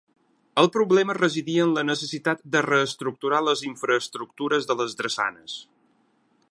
El problema residia en la necessitat de reestructurar les infraestructures de les drassanes.